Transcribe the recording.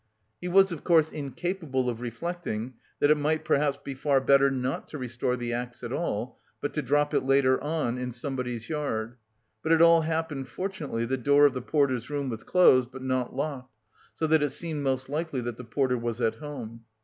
He was of course incapable of reflecting that it might perhaps be far better not to restore the axe at all, but to drop it later on in somebody's yard. But it all happened fortunately, the door of the porter's room was closed but not locked, so that it seemed most likely that the porter was at home.